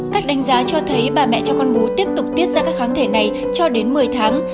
các đánh giá cho thấy bà mẹ cho con bú tiếp tục tiết ra các kháng thể này cho đến một mươi tháng